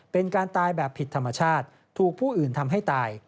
เป็นการตายแบบผิดธรรมชาติถูกผู้อื่นทำให้ตาย